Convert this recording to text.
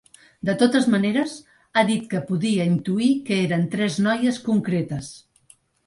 De totes maneres, ha dit que podia intuir que eren tres noies concretes.